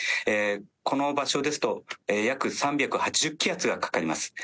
この場所ですと約３８０気圧がかかります。